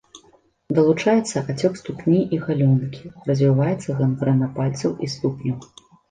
Далучаецца ацёк ступні і галёнкі, развіваецца гангрэна пальцаў і ступняў.